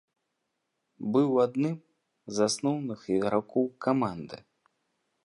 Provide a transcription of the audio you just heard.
Быў адным з асноўных ігракоў каманды.